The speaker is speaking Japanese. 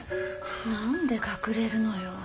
何で隠れるのよ。